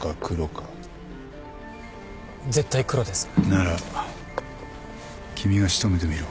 なら君が仕留めてみろ。